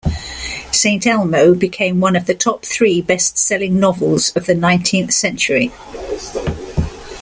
"Saint Elmo "became one of the top three best-selling novels of the nineteenth century.